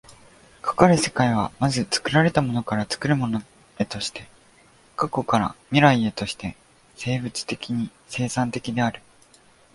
かかる世界は、まず作られたものから作るものへとして、過去から未来へとして生物的に生産的である。